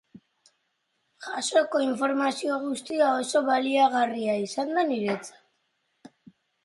Jasotako informazio guztia oso baliagarria izan da niretzat.